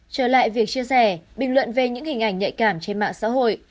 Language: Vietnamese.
trở lại việc chia sẻ bình luận về những hình ảnh nhạy cảm trên mạng xã hội